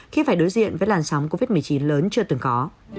khi phải đối diện với làn sóng covid một mươi chín lớn chưa từng có